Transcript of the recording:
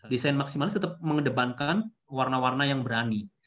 desain maksimalis tetap mengedepankan warna warna yang berani